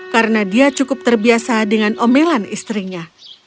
karena dia cukup terbiasa dengan omelan istrinya